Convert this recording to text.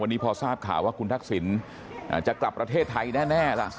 วันนี้พอทราบข่าวว่าคุณทักษิณจะกลับประเทศไทยแน่ล่ะ